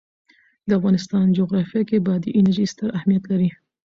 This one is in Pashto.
د افغانستان جغرافیه کې بادي انرژي ستر اهمیت لري.